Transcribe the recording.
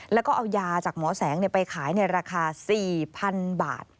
แล้วก็เอายาจากหมอแสงไปขายในราคา๔๐๐๐บาท